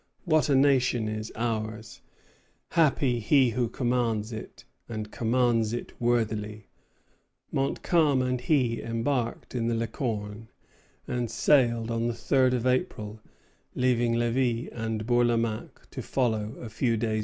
"What a nation is ours! Happy he who commands it, and commands it worthily!" Montcalm and he embarked in the "Licorne," and sailed on the third of April, leaving Lévis and Bourlamaque to follow a few days after.